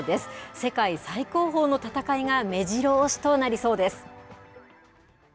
世界最高峰の戦いがめじろ押しとなりそうです。